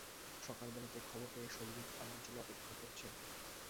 সকালবেলাতেই খবর পেলুম সন্দীপ আমার জন্যে অপেক্ষা করছে।